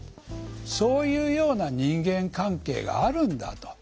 そういうような人間関係があるんだと。